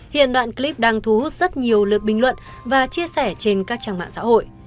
hiện đoạn clip đang thu hút rất nhiều lượt bình luận và chia sẻ trên các trang mạng xã hội